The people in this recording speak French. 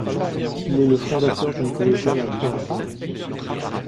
Il est le fondateur d'une collégiale à Troarn.